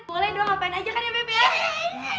boleh dong ngapain aja kan ya bebe ya